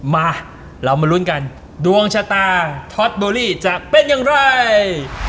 มาเรามาลุ้นกันดวงชะตาท็อตโบรี่จะเป็นอย่างไร